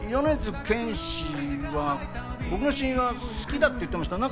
米津玄師は僕の親友は好きだって言ってました。